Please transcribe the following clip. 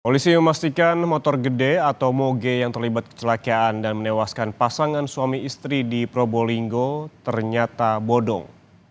polisi memastikan motor gede atau moge yang terlibat kecelakaan dan menewaskan pasangan suami istri di probolinggo ternyata bodong